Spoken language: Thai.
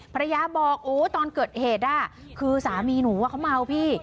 ภรรยาบอกโอ้ตอนเกิดเหตุคือสามีหนูเขาเมาพี่